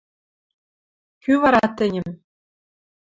– Кӱ вара тӹньӹм?